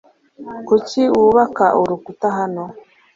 Kuki wubaka urukuta hano?